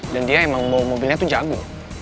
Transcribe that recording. dan dia emang bawa mobilnya tuh jago